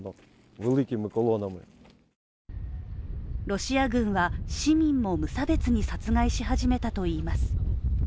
ロシア軍は市民も無差別に殺害し始めたと言います。